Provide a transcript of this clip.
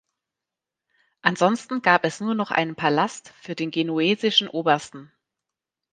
Ansonsten gab es nur noch einen Palast für den genuesischen Obersten.